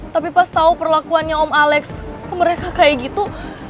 tapi pas tau perlakuannya om alex ke mereka kayak gitu